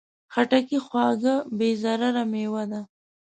خټکی خوږه، بې ضرره مېوه ده.